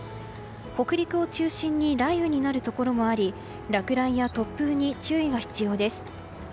北陸を中心に雷雨になるところもあり落雷や突風に注意が必要です。